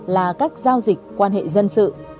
là các giao dịch quan hệ dân sự